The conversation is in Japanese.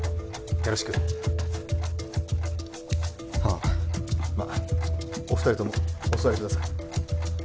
よろしくはあまあお二人ともお座りください